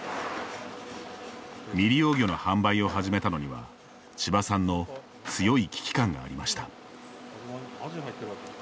未利用魚の販売を始めたのには千葉さんの強い危機感がありました。